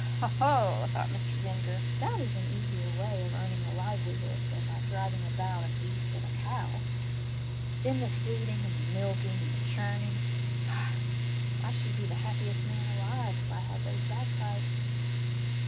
"Ho, ho !" thought Mr. Vinegar. "That is an easier way of earning a livelihood than by driving about a beast of a cow ! Then the feeding, and the milking, and the churning ! Ah, I should be the happiest man alive if I had those bag pipes